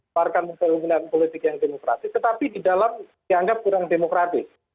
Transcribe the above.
bukan keinginan politik yang demokratis tetapi di dalam dianggap kurang demokratis